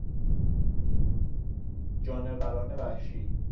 جانوران وحشی